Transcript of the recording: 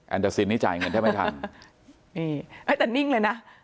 แอนดราซินนี่จ่ายเงินให้ไม่ทันนี่แต่นิ่งเลยนะ